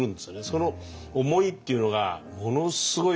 その思いっていうのがものすごい思い。